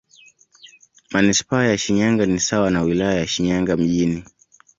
Manisipaa ya Shinyanga ni sawa na Wilaya ya Shinyanga Mjini.